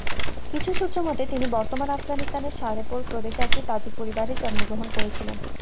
কিছু সূত্র মতে, তিনি বর্তমান আফগানিস্তানের সারে-পোল প্রদেশে একটি তাজিক পরিবারে জন্মগ্রহণ করেছিলেন।